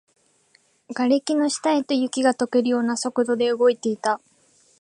瓦礫の下へと、雪が溶けるような速度で動いていた